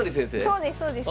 そうですそうです。